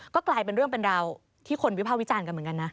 ก็กลายเป็นเรื่องเป็นราวที่คนวิภาควิจารณ์กันเหมือนกันนะ